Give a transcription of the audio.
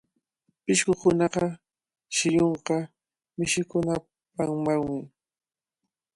Pishqukunapa shillunqa mishikunapanawmi.